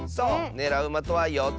ねらうまとは４つ。